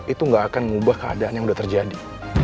itu gak akan mengubah keadaan yang sudah terjadi